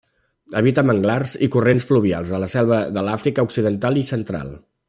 Habita manglars i corrents fluvials a la selva de l'Àfrica Occidental i Central.